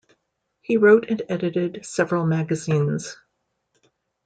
He wrote and edited several magazines.